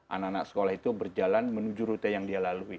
anak anak sekolah itu berjalan menuju rute yang dia lalui